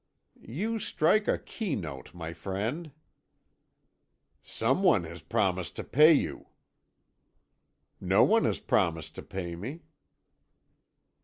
"You strike a key note, my friend." "Someone has promised to pay you." "No one has promised to pay me."